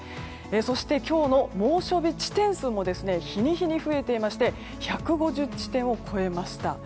そして、今日の猛暑日地点数も日に日に増えていて１５０地点を超えました。